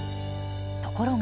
ところが。